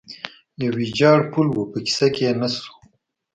یو ویجاړ پل و، په کیسه کې یې نه شو.